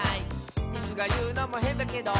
「イスがいうのもへんだけど」